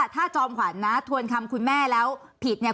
ถ้าจอมขวัญนะทวนคำคุณแม่แล้วผิดเนี่ย